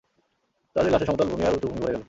তাদের লাশে সমতল ভূমি আর উঁচু ভূমি ভরে গেল।